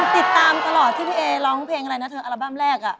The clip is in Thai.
ติดตามตลอดที่พี่เอร้องเพลงอะไรนะเธออัลบั้มแรก